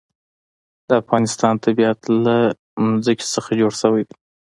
د افغانستان طبیعت له ځمکه څخه جوړ شوی دی.